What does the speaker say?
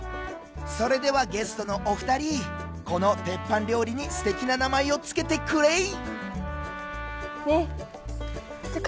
それではゲストのお二人このテッパン料理にすてきな名前を付けてくれい！